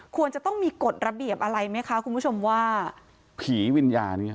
ควรจะต้องมีกฎระเบียบอะไรไหมคะคุณผู้ชมว่าผีวิญญาณเนี้ย